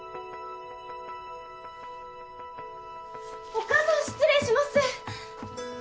お母さん失礼します！